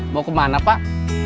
mau kemana pak